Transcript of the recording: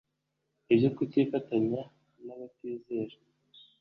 ibyo kutifatanya n abatizera